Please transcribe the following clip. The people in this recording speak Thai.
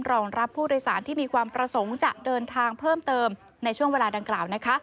รองรับผู้โดยสารที่มีความประสงค์จะเดินทางเพิ่มเติมในช่วงเวลาดังกล่าว